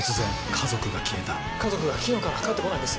家族が昨日から帰って来ないんです。